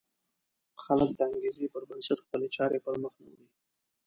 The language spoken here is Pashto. خلک د انګېزې پر بنسټ خپلې چارې پر مخ نه وړي.